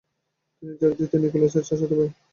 তিনি জার দ্বিতীয় নিকোলাসের চাচাতো ভাই।